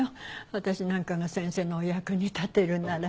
私なんかが先生のお役に立てるなら。